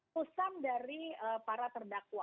pusam dari para terdakwa